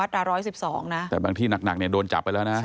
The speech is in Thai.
ใช่นะคะ